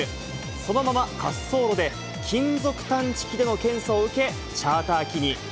そのまま、滑走路で金属探知機での検査を受け、チャーター機に。